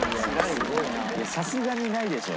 さすがにないでしょ